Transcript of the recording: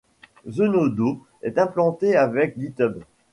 Zenodo est implémenté avec GitHub.